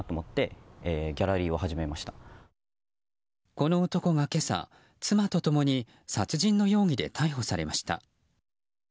この男が今朝、妻と共に殺人の容疑で逮捕されました。